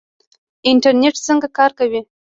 انټرنیټ څنګه کار کوي؟